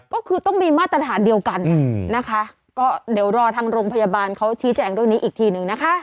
ก็คือต้องมีมาตรฐานเดียวกันนะคะก็เดี๋ยวรอทางโรงพยาบาลเขาชี้แจงเรื่องนี้อีกทีหนึ่งนะคะ